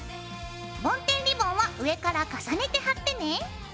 ぼんてんリボンは上から重ねて貼ってね。